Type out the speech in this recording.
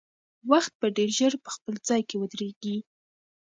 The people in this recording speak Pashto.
وخت به ډېر ژر په خپل ځای کې ودرېږي.